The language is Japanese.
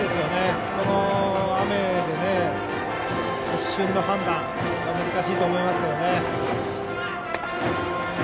この雨で、一瞬の判断が難しいと思いますけどね。